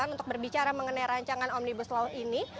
untuk berbicara mengenai rancangan omnibus law ini